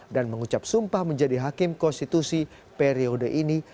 dan mengucap sumpah menjadi hakim konstitusi periode ini